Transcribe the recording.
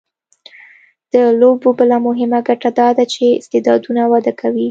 د لوبو بله مهمه ګټه دا ده چې استعدادونه وده کوي.